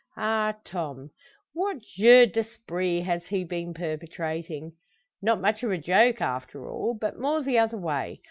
"Ah, Tom! What jeu d'esprit has he been perpetrating?" "Not much of a joke, after all; but more the other way.